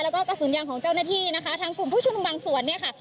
แล้วก็กระสุนยางของเจ้าหน้าที่นะคะทางกลุ่มผู้ชุมนุมบางส่วนเนี่ยค่ะ